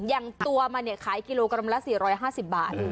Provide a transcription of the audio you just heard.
อย่างตัวมันเนี่ยขายกิโลกรัมละ๔๕๐บาท